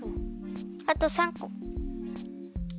あと３こ。